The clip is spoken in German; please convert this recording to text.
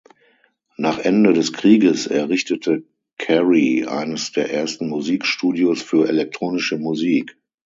Nach Ende des Krieges errichtete Cary eines der ersten Musikstudios für elektronische Musik.